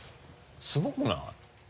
すごくない？